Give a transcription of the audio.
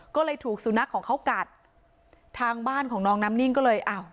ก็เลยถูกสุนัขของเขากัดทางบ้านของน้องน้ำนิ่งก็เลยอ้าว